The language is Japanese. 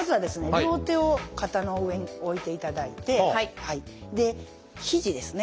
両手を肩の上に置いていただいてでひじですね